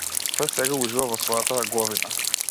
Тој сега ужива во својата аговина.